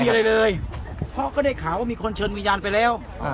มีอะไรเลยเพราะก็ได้ข่าวว่ามีคนเชิญวิญญาณไปแล้วอ่า